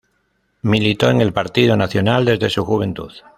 Militó en el Partido Nacional desde su juventud.